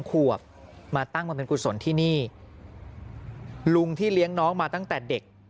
ขวบมาตั้งบำเพ็ญกุศลที่นี่ลุงที่เลี้ยงน้องมาตั้งแต่เด็ก